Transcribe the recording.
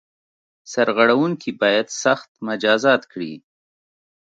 سرغړوونکي باید سخت مجازات کړي.